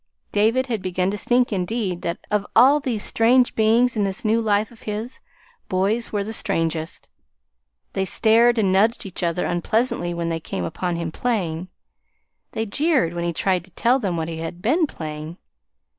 David had begun to think, indeed, that of all these strange beings in this new life of his, boys were the strangest. They stared and nudged each other unpleasantly when they came upon him playing. They jeered when he tried to tell them what he had been playing.